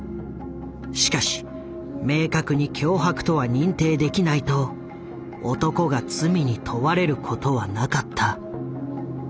しかし明確に脅迫とは認定できないと男が罪に問われることはなかった。